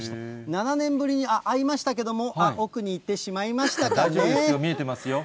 ７年ぶりに会いましたけども、奥に行っ大丈夫ですよ、見えてますよ。